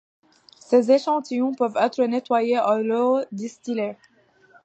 Ces échantillons peuvent être nettoyés à l'eau distillée.